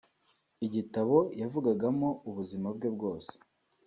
igitabo yavugagamo ubuzima bwe bwose